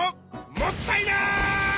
もったいない！